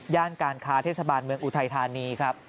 การค้าเทศบาลเมืองอุทัยธานีครับ